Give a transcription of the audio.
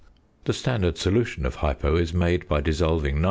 The standard solution of "hypo" is made by dissolving 19.